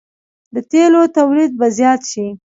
د تیلو تولید به زیات شي.